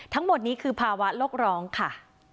ทั้งหมดนี้คือภาวะโลกร้องค่ะ